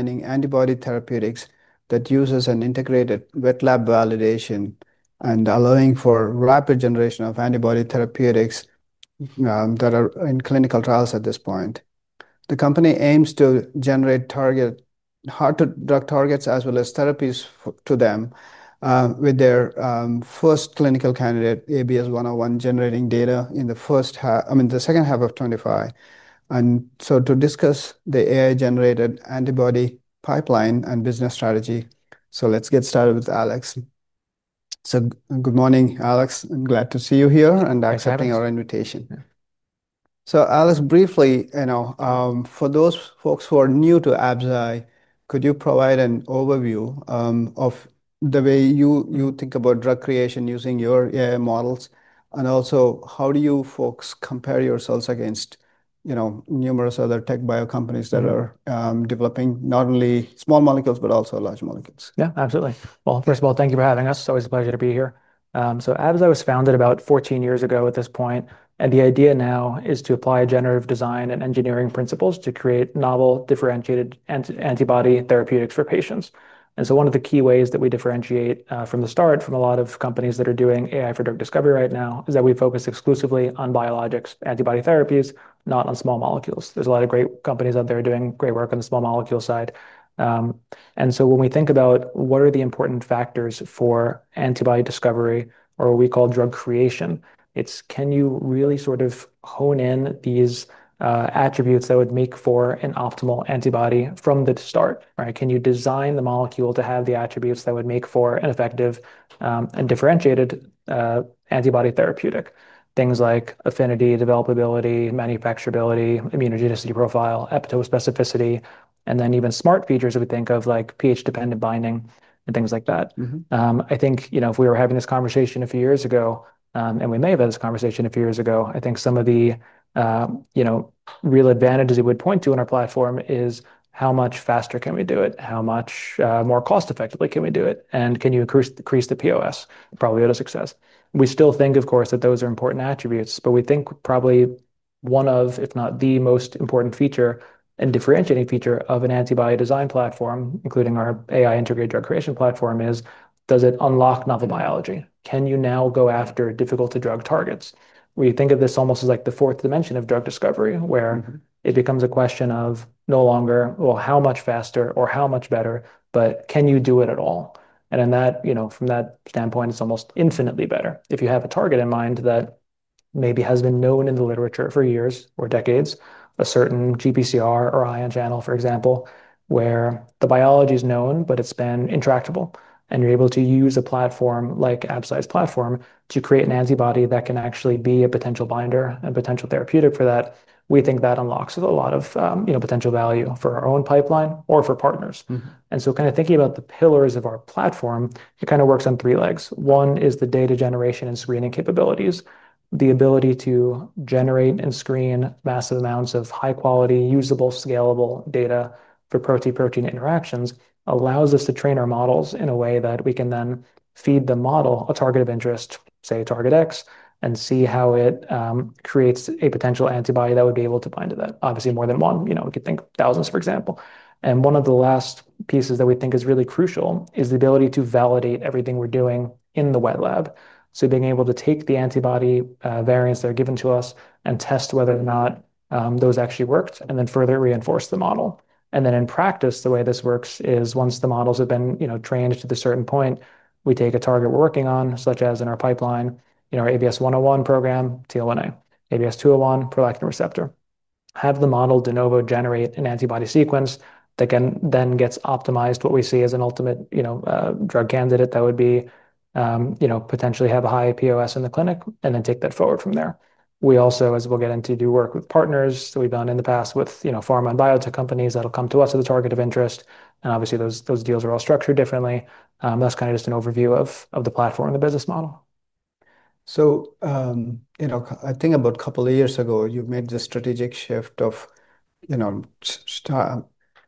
Antibody therapeutics that uses an integrated wet lab validation and allowing for rapid generation of antibody therapeutics that are in clinical trials at this point. The company aims to generate target hard-to-drug targets as well as therapies to them with their first clinical candidate, ABS101, generating data in the second half of 2025. To discuss the AI-generated antibody pipeline and business strategy, let's get started with Alex. Good morning, Alex. I'm glad to see you here and accepting your invitation. Alex, briefly, for those folks who are new to Absci, could you provide an overview of the way you think about drug creation using your AI models? Also, how do you folks compare yourselves against numerous other tech bio companies that are developing not only small molecules but also large molecules? Yeah, absolutely. First of all, thank you for having us. It's always a pleasure to be here. Absci was founded about 14 years ago at this point, and the idea now is to apply generative design and engineering principles to create novel, differentiated antibody therapeutics for patients. One of the key ways that we differentiate from the start from a lot of companies that are doing AI for drug discovery right now is that we focus exclusively on biologics antibody therapies, not on small molecules. There are a lot of great companies out there doing great work on the small molecule side. When we think about what are the important factors for antibody discovery or what we call drug creation, it's can you really sort of hone in these attributes that would make for an optimal antibody from the start? Can you design the molecule to have the attributes that would make for an effective and differentiated antibody therapeutic? Things like affinity, developability, manufacturability, immunogenicity profile, epitope specificity, and then even smart features we think of like pH-dependent binding and things like that. If we were having this conversation a few years ago, and we may have had this conversation a few years ago, I think some of the real advantages we would point to in our platform is how much faster can we do it, how much more cost-effectively can we do it, and can you increase the POS, probability of success. We still think, of course, that those are important attributes, but we think probably one of, if not the most important feature and differentiating feature of an antibody design platform, including our AI Integrated Drug Creation platform, is does it unlock novel biology. Can you now go after difficult-to-drug targets? We think of this almost as like the fourth dimension of drug discovery where it becomes a question of no longer how much faster or how much better, but can you do it at all. From that standpoint, it's almost infinitely better if you have a target in mind that maybe has been known in the literature for years or decades, a certain GPCR or ion channel, for example, where the biology is known, but it's been intractable. You're able to use a platform like Absci's platform to create an antibody that can actually be a potential binder and potential therapeutic for that. We think that unlocks a lot of potential value for our own pipeline or for partners. Thinking about the pillars of our platform, it kind of works on three legs. One is the data generation and screening capabilities. The ability to generate and screen massive amounts of high-quality, usable, scalable data for protein-protein interactions allows us to train our models in a way that we can then feed the model a target of interest, say target X, and see how it creates a potential antibody that would be able to bind to that. Obviously, more than one, you know, we could think thousands, for example. One of the last pieces that we think is really crucial is the ability to validate everything we're doing in the wet lab. Being able to take the antibody variants that are given to us and test whether or not those actually worked and then further reinforce the model. In practice, the way this works is once the models have been trained to the certain point, we take a target we're working on, such as in our pipeline, our ABS101 program, TL1A, ABS201, prolactin receptor, have the model de novo generate an antibody sequence that then gets optimized, what we see as an ultimate, you know, drug candidate that would be, you know, potentially have a high POS in the clinic and then take that forward from there. We also, as we'll get into, do work with partners. We've done in the past with pharma and biotech companies that'll come to us as a target of interest. Obviously, those deals are all structured differently. That's kind of just an overview of the platform and the business model. I think about a couple of years ago, you've made this strategic shift of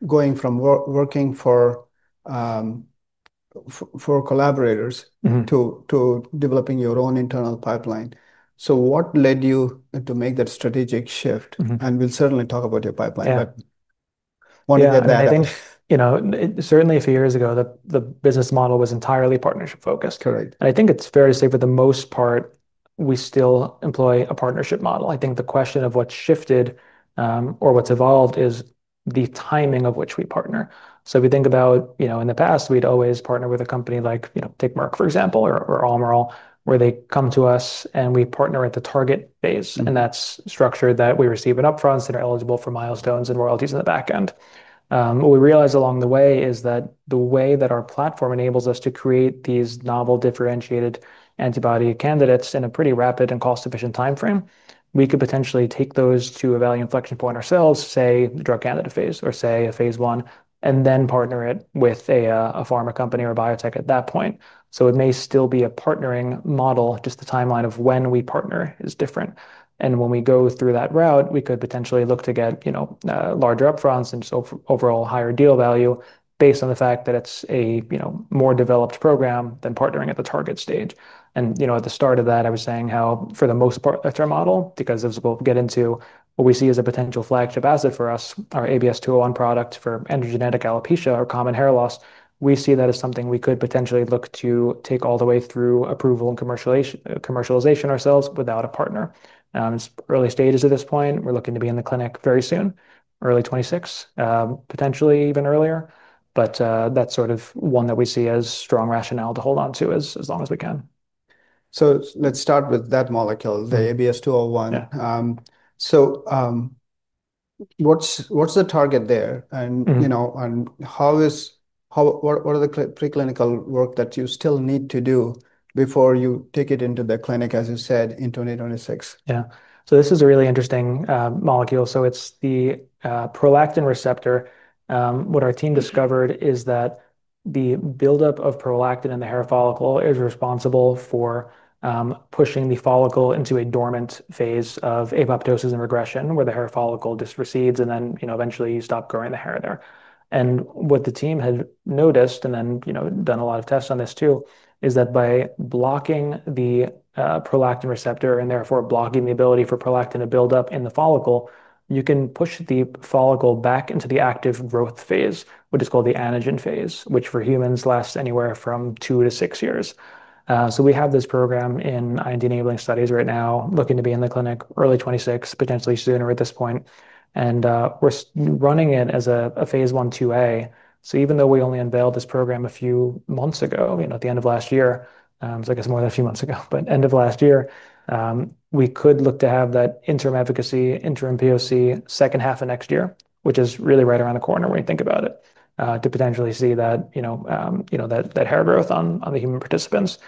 going from working for collaborators to developing your own internal pipeline. What led you to make that strategic shift? We'll certainly talk about your pipeline, but I want to get that out. I think, you know, certainly a few years ago, the business model was entirely partnership-focused. Correct. I think it's fair to say for the most part, we still employ a partnership model. The question of what's shifted or what's evolved is the timing of which we partner. If you think about, you know, in the past, we'd always partner with a company like, you know, Merck, for example, or Amaro, where they come to us and we partner at the target phase. That's structured so that we receive an upfront and are eligible for milestones and royalties in the backend. What we realized along the way is that the way that our platform enables us to create these novel, differentiated antibody candidates in a pretty rapid and cost-efficient timeframe, we could potentially take those to a value inflection point ourselves, say the drug candidate phase, or say a phase one, and then partner it with a pharma company or a biotech at that point. It may still be a partnering model, just the timeline of when we partner is different. When we go through that route, we could potentially look to get, you know, larger upfronts and overall higher deal value based on the fact that it's a, you know, more developed program than partnering at the target stage. At the start of that, I was saying how for the most part, it's their model, because as we'll get into what we see as a potential flagship asset for us, our ABS201 product for androgenetic alopecia or common hair loss, we see that as something we could potentially look to take all the way through approval and commercialization ourselves without a partner. It's early stages at this point. We're looking to be in the clinic very soon, early 2026, potentially even earlier. That's sort of one that we see as strong rationale to hold on to as long as we can. Let's start with that molecule, the ABS201. What's the target there, and how is, what are the preclinical work that you still need to do before you take it into the clinic, as you said, in 2026? Yeah, this is a really interesting molecule. It's the prolactin receptor. What our team discovered is that the buildup of prolactin in the hair follicle is responsible for pushing the follicle into a dormant phase of apoptosis and regression, where the hair follicle just recedes and eventually you stop growing the hair there. What the team had noticed, and done a lot of tests on this too, is that by blocking the prolactin receptor and therefore blocking the ability for prolactin to build up in the follicle, you can push the follicle back into the active growth phase, which is called the anagen phase, which for humans lasts anywhere from two to six years. We have this program in IND-enabling studies right now, looking to be in the clinic early 2026, potentially sooner at this point. We're running it as a phase one 2A. Even though we only unveiled this program a few months ago, at the end of last year, we could look to have that interim efficacy, interim POC, second half of next year, which is really right around the corner when you think about it, to potentially see that hair growth on the human participants.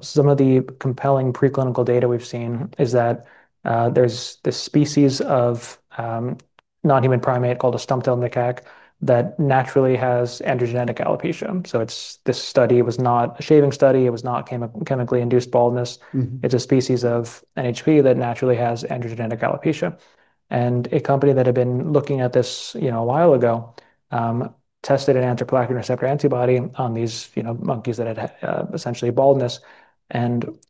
Some of the compelling preclinical data we've seen is that there's this species of non-human primate called a stump-tailed macaque that naturally has androgenetic alopecia. This study was not a shaving study. It was not chemically induced baldness. It's a species of NHP that naturally has androgenetic alopecia. A company that had been looking at this a while ago tested a prolactin receptor antibody on these monkeys that had essentially baldness.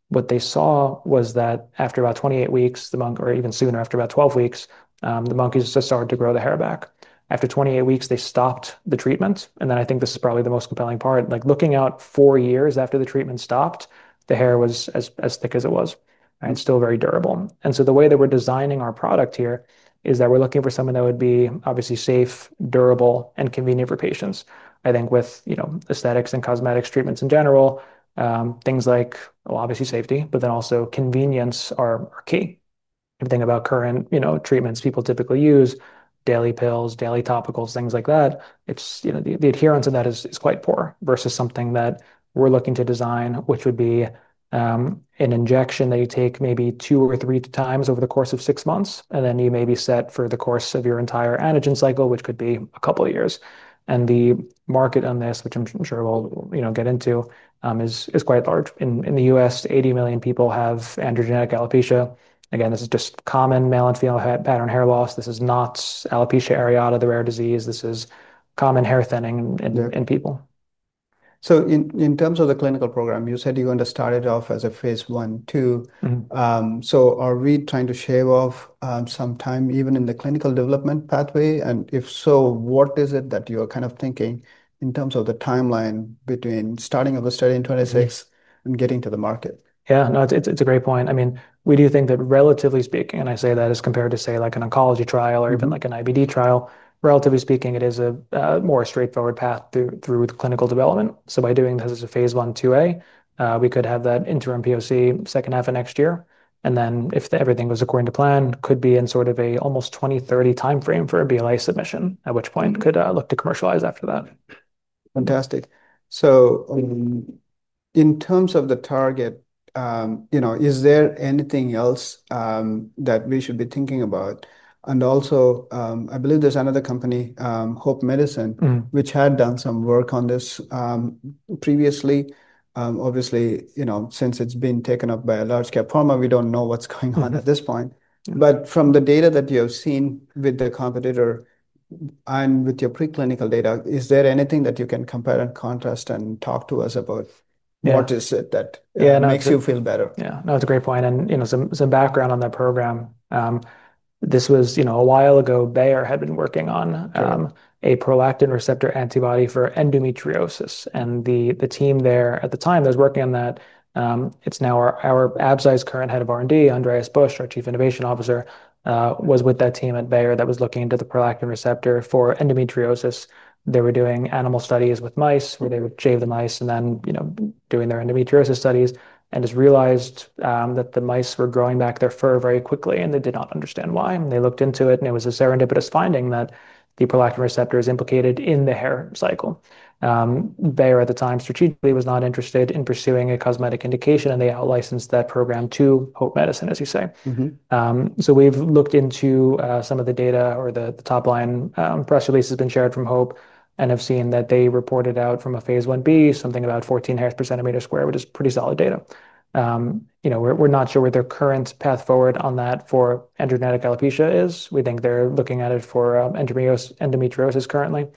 What they saw was that after about 28 weeks, or even sooner after about 12 weeks, the monkeys just started to grow the hair back. After 28 weeks, they stopped the treatment. I think this is probably the most compelling part. Looking out four years after the treatment stopped, the hair was as thick as it was and still very durable. The way that we're designing our product here is that we're looking for something that would be obviously safe, durable, and convenient for patients. I think with aesthetics and cosmetics treatments in general, things like, obviously safety, but then also convenience are key. If you think about current treatments people typically use, daily pills, daily topicals, things like that, the adherence in that is quite poor versus something that we're looking to design, which would be an injection that you take maybe two or three times over the course of six months, and then you may be set for the course of your entire antigen cycle, which could be a couple of years. The market on this, which I'm sure we'll get into, is quite large. In the U.S., 80 million people have androgenetic alopecia. Again, this is just common male and female pattern hair loss. This is not alopecia areata, the rare disease. This is common hair thinning in people. In terms of the clinical program, you said you're going to start it off as a phase one two. Are we trying to shave off some time even in the clinical development pathway? If so, what is it that you're kind of thinking in terms of the timeline between starting up a study in 2026 and getting to the market? Yeah, no, it's a great point. I mean, we do think that relatively speaking, and I say that as compared to, say, like an oncology trial or even like an IBD trial, relatively speaking, it is a more straightforward path through the clinical development. By doing this as a phase one/two A, we could have that interim POC second half of next year. If everything goes according to plan, could be in sort of an almost 2030 timeframe for a BLA submission, at which point could look to commercialize after that. Fantastic. In terms of the target, is there anything else that we should be thinking about? I believe there's another company, Hope Medicine, which had done some work on this previously. Obviously, since it's been taken up by a large cap pharma, we don't know what's going on at this point. From the data that you have seen with the competitor and with your preclinical data, is there anything that you can compare and contrast and talk to us about? What is it that makes you feel better? Yeah, no, it's a great point. You know, some background on that program. This was a while ago. Bayer had been working on a prolactin receptor antibody for endometriosis. The team there at the time that was working on that is now Absci's current Head of R&D, Andreas Busch, our Chief Innovation Officer, who was with that team at Bayer that was looking into the prolactin receptor for endometriosis. They were doing animal studies with mice where they would shave the mice and then, doing their endometriosis studies, realized that the mice were growing back their fur very quickly and they did not understand why. They looked into it and it was a serendipitous finding that the prolactin receptor is implicated in the hair cycle. Bayer at the time strategically was not interested in pursuing a cosmetic indication and they outlicensed that program to Hope Medicine, as you say. We've looked into some of the data or the top line press releases that have been shared from Hope and have seen that they reported out from a phase 1b, something about 14 hairs per centimeter square, which is pretty solid data. We're not sure where their current path forward on that for androgenetic alopecia is. We think they're looking at it for endometriosis currently.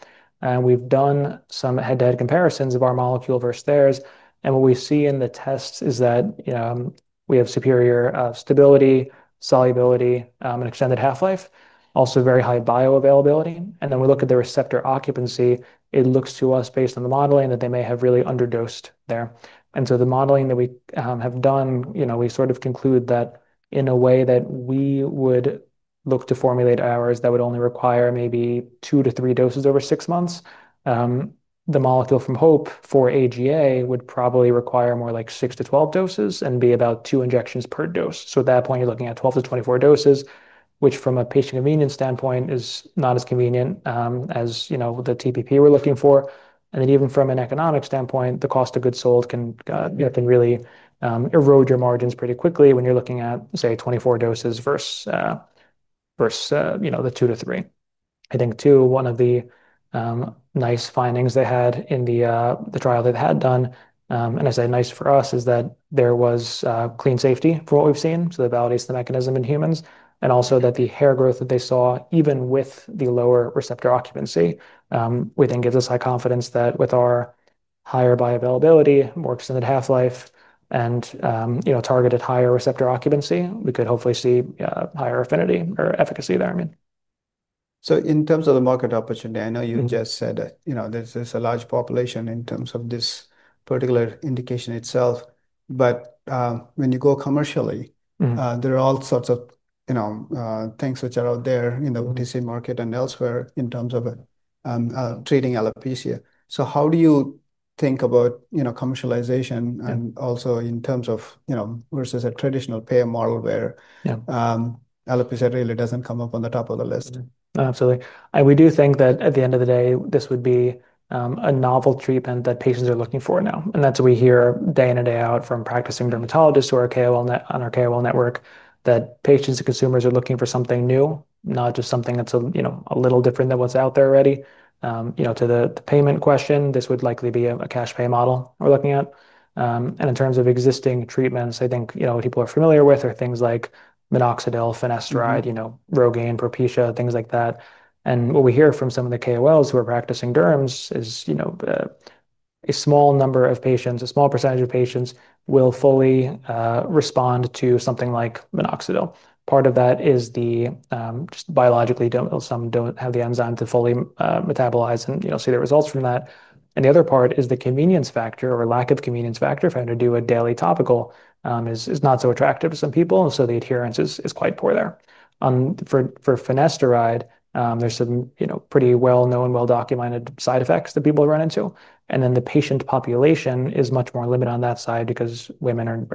We've done some head-to-head comparisons of our molecule versus theirs. What we see in the tests is that we have superior stability, solubility, and extended half-life, also very high bioavailability. When we look at the receptor occupancy, it looks to us based on the modeling that they may have really underdosed there. The modeling that we have done, we sort of conclude that we would look to formulate ours that would only require maybe two to three doses over six months. The molecule from Hope for AGA would probably require more like six to twelve doses and be about two injections per dose. At that point, you're looking at twelve to twenty-four doses, which from a patient convenience standpoint is not as convenient as the TPP we're looking for. Even from an economic standpoint, the cost of goods sold can really erode your margins pretty quickly when you're looking at, say, twenty-four doses versus the two to three. I think too, one of the nice findings they had in the trial they had done, and as I say, nice for us, is that there was clean safety for what we've seen. They validate the mechanism in humans and also that the hair growth that they saw, even with the lower receptor occupancy, we think gives us high confidence that with our higher bioavailability, more extended half-life, and targeted higher receptor occupancy, we could hopefully see higher affinity or efficacy there. In terms of the market opportunity, I know you just said that there's a large population in terms of this particular indication itself. When you go commercially, there are all sorts of things which are out there in the OTC market and elsewhere in terms of treating alopecia. How do you think about commercialization and also in terms of versus a traditional payer model where alopecia really doesn't come up on the top of the list? Absolutely. We do think that at the end of the day, this would be a novel treatment that patients are looking for now. That's what we hear day in and day out from practicing dermatologists who are on our KOL network, that patients and consumers are looking for something new, not just something that's a little different than what's out there already. To the payment question, this would likely be a cash pay model we're looking at. In terms of existing treatments, what people are familiar with are things like minoxidil, finasteride, Rogaine, Propecia, things like that. What we hear from some of the KOLs who are practicing derms is a small number of patients, a small % of patients will fully respond to something like minoxidil. Part of that is just biologically, some don't have the enzyme to fully metabolize and see the results from that. The other part is the convenience factor or lack of convenience factor, if I had to do a daily topical, is not so attractive to some people. The adherence is quite poor there. For finasteride, there are some pretty well-known, well-documented side effects that people run into. The patient population is much more limited on that side because women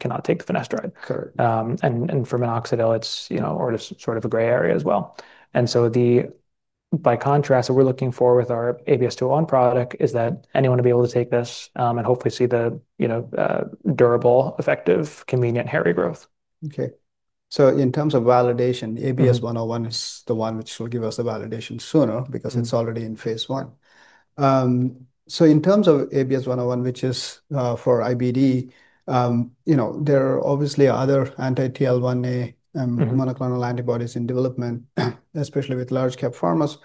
cannot take the finasteride. Correct. For minoxidil, it's, you know, sort of a gray area as well. By contrast, what we're looking for with our ABS201 product is that anyone to be able to take this and hopefully see the, you know, durable, effective, convenient hair regrowth. Okay. In terms of validation, ABS101 is the one which will give us the validation sooner because it's already in phase one. In terms of ABS101, which is for IBD, there are obviously other anti-TL1A monoclonal antibodies in development, especially with large cap pharmas.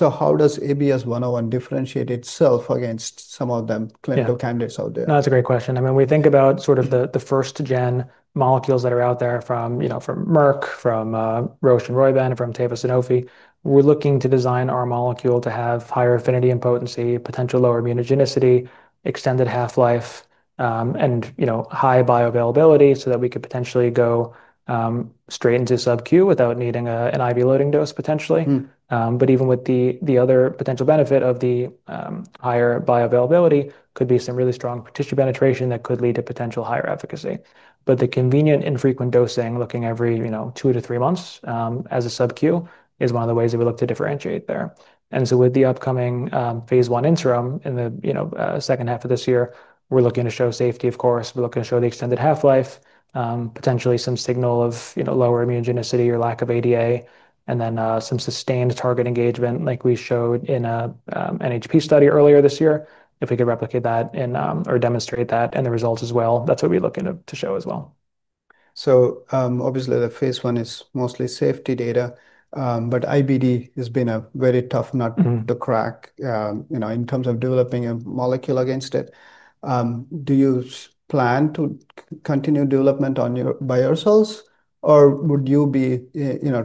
How does ABS101 differentiate itself against some of the clinical candidates out there? That's a great question. We think about sort of the first gen molecules that are out there from, you know, from Merck, from Roche and Hope Medicine, from Tafa Sanofi. We're looking to design our molecule to have higher affinity and potency, potential lower immunogenicity, extended half-life, and, you know, high bioavailability so that we could potentially go straight into sub-Q without needing an IV loading dose potentially. Even with the other potential benefit of the higher bioavailability, there could be some really strong tissue penetration that could lead to potential higher efficacy. The convenient infrequent dosing, looking every, you know, two to three months as a sub-Q, is one of the ways that we look to differentiate there. With the upcoming phase one interim in the, you know, second half of this year, we're looking to show safety, of course. We're looking to show the extended half-life, potentially some signal of, you know, lower immunogenicity or lack of ADA, and then some sustained target engagement like we showed in an NHP study earlier this year. If we could replicate that or demonstrate that in the results as well, that's what we look to show as well. Obviously, the phase one is mostly safety data, but IBD has been a very tough nut to crack in terms of developing a molecule against it. Do you plan to continue development by yourselves, or would you be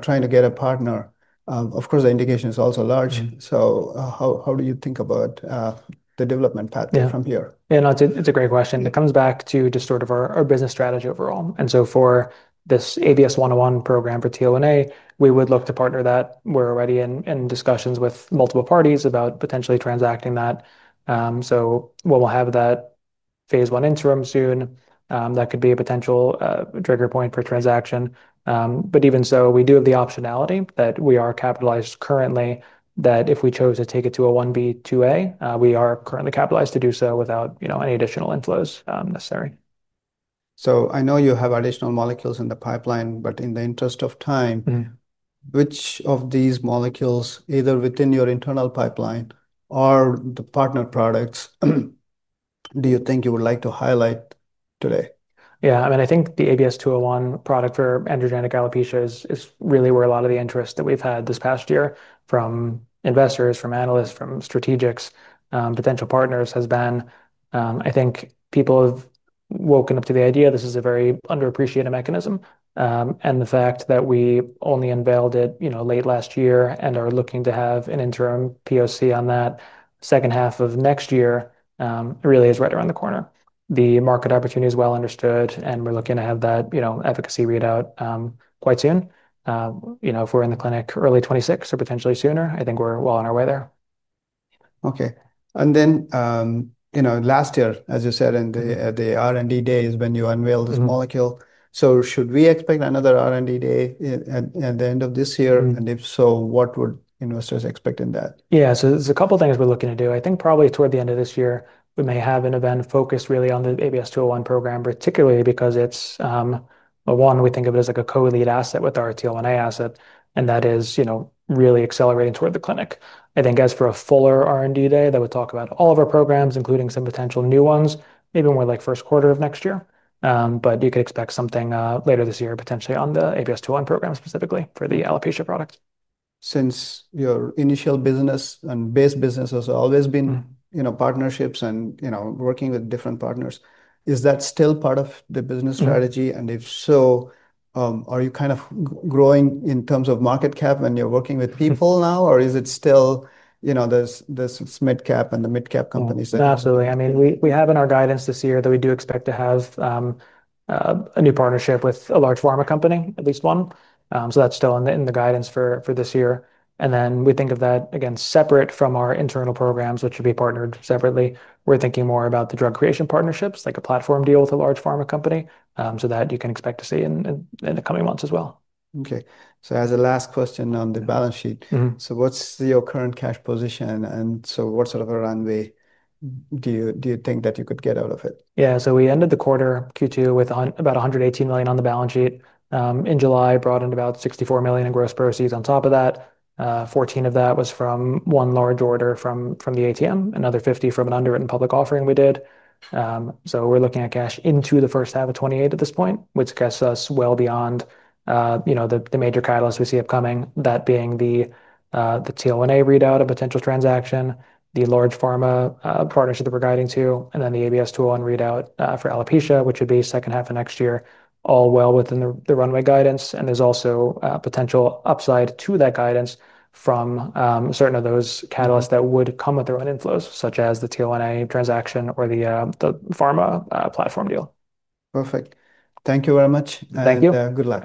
trying to get a partner? The indication is also large. How do you think about the development path from here? Yeah, no, it's a great question. It comes back to just sort of our business strategy overall. For this ABS101 program for TL1A, we would look to partner that. We're already in discussions with multiple parties about potentially transacting that. When we have that phase one interim soon, that could be a potential trigger point for transaction. Even so, we do have the optionality that we are capitalized currently that if we chose to take it to a 1B, 2A, we are currently capitalized to do so without any additional inflows necessary. I know you have additional molecules in the pipeline, but in the interest of time, which of these molecules, either within your internal pipeline or the partner products, do you think you would like to highlight today? Yeah, I mean, I think the ABS201 product for androgenetic alopecia is really where a lot of the interest that we've had this past year from investors, from analysts, from strategics, potential partners has been. I think people have woken up to the idea this is a very underappreciated mechanism. The fact that we only unveiled it, you know, late last year and are looking to have an interim POC on that second half of next year really is right around the corner. The market opportunity is well understood, and we're looking to have that, you know, efficacy readout quite soon. If we're in the clinic early 2026 or potentially sooner, I think we're well on our way there. Okay. Last year, as you said, in the R&D days when you unveiled this molecule, should we expect another R&D day at the end of this year? If so, what would investors expect in that? Yeah, so there's a couple of things we're looking to do. I think probably toward the end of this year, we may have an event focused really on the ABS201 program, particularly because it's, one, we think of it as like a co-lead asset with our TL1A asset, and that is really accelerating toward the clinic. I think as for a fuller R&D day, that would talk about all of our programs, including some potential new ones, even more like first quarter of next year. You could expect something later this year, potentially on the ABS201 program specifically for the alopecia product. Since your initial business and base business has always been, you know, partnerships and, you know, working with different partners, is that still part of the business strategy? If so, are you kind of growing in terms of market cap when you're working with people now, or is it still, you know, this mid-cap and the mid-cap companies? Absolutely. I mean, we have in our guidance this year that we do expect to have a new partnership with a large pharma company, at least one. That is still in the guidance for this year. We think of that, again, separate from our internal programs, which should be partnered separately. We are thinking more about the drug creation partnerships, like a platform deal with a large pharma company, so that you can expect to see in the coming months as well. Okay. As a last question on the balance sheet, what's your current cash position? What sort of a runway do you think that you could get out of it? Yeah, we ended the quarter Q2 with about $118 million on the balance sheet. In July, brought in about $64 million in gross proceeds on top of that. $14 million of that was from one large order from the ATM, another $50 million from an underwritten public offering we did. We're looking at cash into the first half of 2028 at this point, which gets us well beyond, you know, the major catalysts we see upcoming, that being the TL1A readout of potential transaction, the large pharma partnership that we're guiding to, and then the ABS201 readout for alopecia, which would be second half of next year, all well within the runway guidance. There's also potential upside to that guidance from certain of those catalysts that would come with their own inflows, such as the TL1A transaction or the pharma platform deal. Perfect. Thank you very much. Thank you. Good luck.